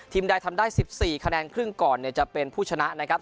ใดทำได้๑๔คะแนนครึ่งก่อนจะเป็นผู้ชนะนะครับ